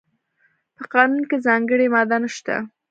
په قانون کې ځانګړې ماده نشته.